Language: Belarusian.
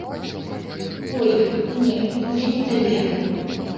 Ой, не, я не табе.